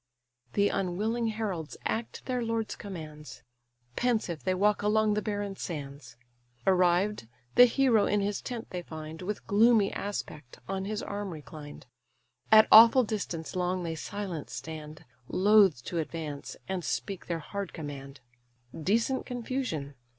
The unwilling heralds act their lord's commands; Pensive they walk along the barren sands: Arrived, the hero in his tent they find, With gloomy aspect on his arm reclined. At awful distance long they silent stand, Loth to advance, and speak their hard command; Decent confusion!